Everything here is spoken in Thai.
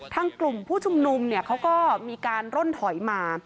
ทางกลุ่มผู้ชุมนุมเนี่ยเขาก็มีการร่นถอยมา